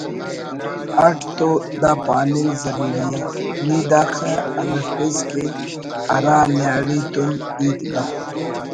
اٹ تو دا پاننگ ضروری ءِ…… نی داخہ ارفپیس کہ ہرا نیاڑی تون ہیت گپ